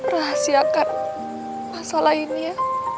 rahasiakan masalah ini ya